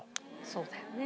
そうだよね。